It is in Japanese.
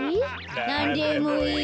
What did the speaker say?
なんでもいい。